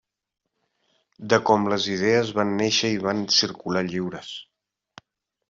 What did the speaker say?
De com les idees van néixer i van circular lliures.